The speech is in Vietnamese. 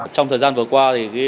trong thời gian vừa qua